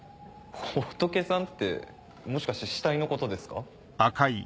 ホトケさんってもしかして死体のことですか？